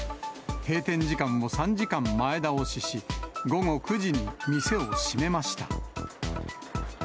閉店時間を３時間前倒しし、午後９時に店を閉めました。